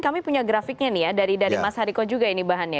kami punya grafiknya nih ya dari mas hariko juga ini bahannya